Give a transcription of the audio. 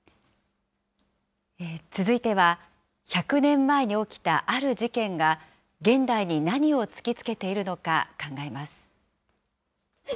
続いては、１００年前に起きたある事件が、現代に何を突きつけているのか考えます。